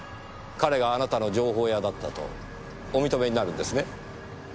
彼があなたの情報屋だったとお認めになるんですね？